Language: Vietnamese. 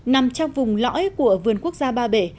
nằm trong vùng lõi của vườn quốc gia ba bể